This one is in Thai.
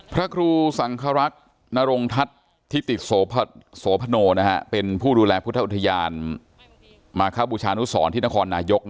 พระครูสังครักษ์นรงทัศน์ทิติโสพโนเป็นผู้ดูแลพุทธอุทยานมาคบูชานุสรที่นครนายก